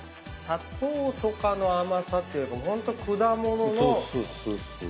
砂糖とかの甘さっていうよりかホント果物の糖度って感じ。